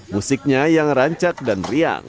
musiknya yang rancat dan riang